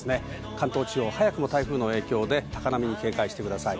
関東地方、早くも台風の影響で、高波に警戒してください。